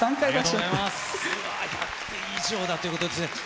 １００点以上だということですね。